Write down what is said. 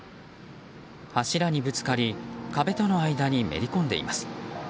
柱にぶつかり壁との間にめり込んでいます。